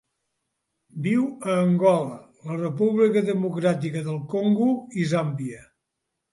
Viu a Angola, la República Democràtica del Congo i Zàmbia.